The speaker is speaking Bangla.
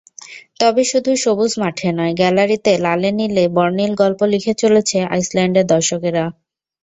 তবে শুধু সবুজ মাঠে নয়, গ্যালারিতে লালে-নীলে বর্ণিল গল্প লিখে চলেছে আইসল্যান্ডের দর্শকেরা।